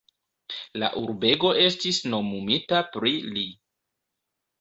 La urbego estis nomumita pri li.